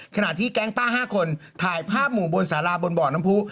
ขณะที่แก๊งป้า๕คนถ่ายภาพหมู่บนสาราบนบ่อน้ำผู้